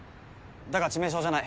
だが致命傷じゃない。